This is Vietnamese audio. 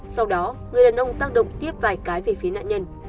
sau đó người đàn ông tác động tiếp vài cái về phía nạn nhân